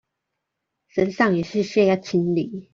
身上有屑屑要清理